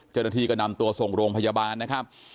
เจ้าหน้าที่ก็นำตัวส่งโรงพยาบาลนะครับ